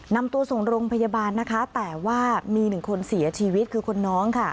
นำตัวส่งโรงพยาบาลนะคะแต่ว่ามีหนึ่งคนเสียชีวิตคือคนน้องค่ะ